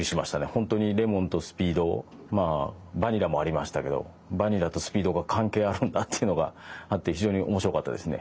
ほんとにレモンとスピードまあバニラもありましたけどバニラとスピードが関係あるんだっていうのがあって非常に面白かったですね。